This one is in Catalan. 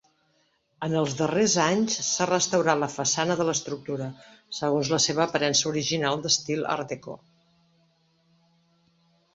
En el darrers anys, s'ha restaurant la façana de l'estructura, segons la seva aparença original d'estil art-déco.